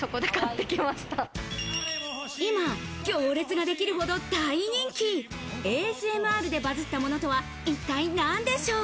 今、行列ができるほど大人気、ＡＳＭＲでバズったものとは一体何でしょう？